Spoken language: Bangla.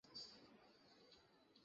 পাগল হয়ে গেছিস তুই?